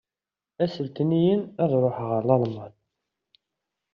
Ass n letnayen, ad ṛuḥeɣ ar Lalman.